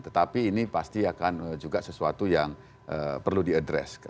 tetapi ini pasti akan juga sesuatu yang perlu diadres